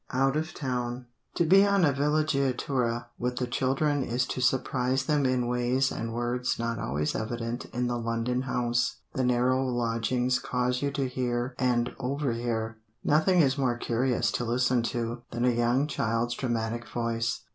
OUT OF TOWN To be on a villeggiatura with the children is to surprise them in ways and words not always evident in the London house. The narrow lodgings cause you to hear and overhear. Nothing is more curious to listen to than a young child's dramatic voice.